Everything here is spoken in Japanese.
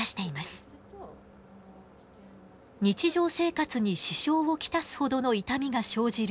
日常生活に支障を来すほどの痛みが生じる